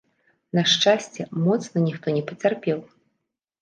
На шчасце, моцна ніхто не пацярпеў.